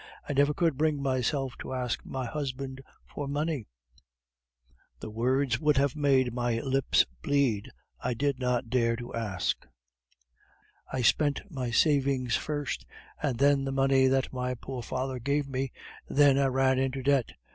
I never could bring myself to ask my husband for money; the words would have made my lips bleed, I did not dare to ask; I spent my savings first, and then the money that my poor father gave me, then I ran into debt.